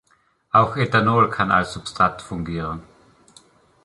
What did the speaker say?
Auch Ethanol kann als Substrat fungieren.